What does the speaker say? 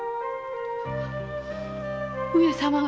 上様が。